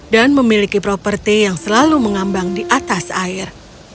dan memiliki properti yang selalu mengambang di atas air